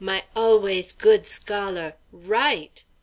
my always good scholar, right!"